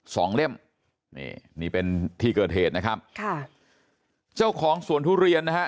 เล่มนี่นี่เป็นที่เกิดเหตุนะครับค่ะเจ้าของสวนทุเรียนนะฮะ